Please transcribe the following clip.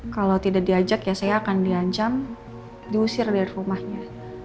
kalau tidak diajak ya saya akan diancam diusir dari rumahnya